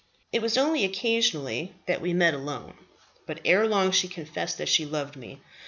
"It was only occasionally that we met alone; but ere long she confessed that she loved me.